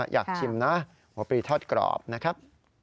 อยากชิมนะหัวปลีทอดกรอบนะครับ